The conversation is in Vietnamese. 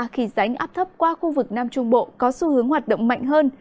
khi ránh áp thấp qua khu vực nam trung bộ có xu hướng hoạt động mạnh hơn